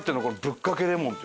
ぶっかけレモン。